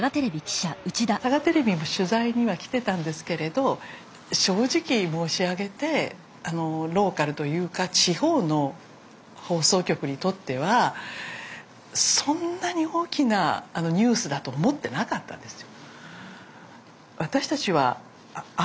サガテレビも取材には来てたんですけれど正直申し上げてローカルというか地方の放送局にとってはそんなに大きなニュースだと思ってなかったんですよ。